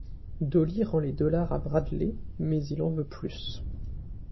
Dolly rend les $ à Bradley, mais il en veut plus.